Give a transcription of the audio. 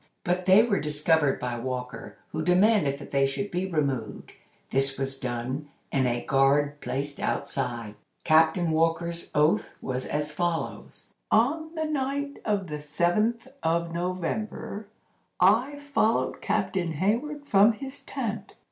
But they were discovered by Walker, who demanded that they should be removed. This was done, and a guard placed outside. Captain Walker's oath was as follows: "On the night of the seventh of November, I followed Captain Hayward from his tent.